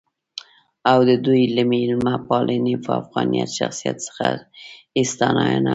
او د دوي له میلمه پالنې ،افغانيت ،شخصیت څخه يې ستاينه هم کړې.